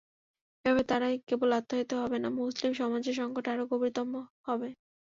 এভাবে তারাই কেবল আত্মঘাতী হবে না, মুসলিম সমাজের সংকট আরও গভীরতর হবে।